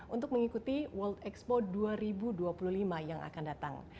untuk mengikuti world expo dua ribu dua puluh lima yang akan datang